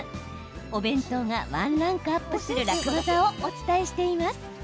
お弁当がワンランクアップする楽ワザをお伝えしています。